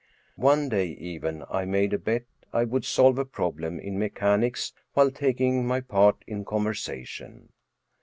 One day, even, I made a bet I would solve a problem in mechanics while taking my part in conversation.